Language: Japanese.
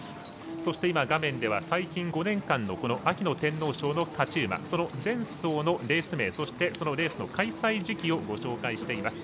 そして、画面では最近５年間の秋の天皇賞の勝ち馬その前走のレース名そしてそのレースの開催時期をご紹介しています。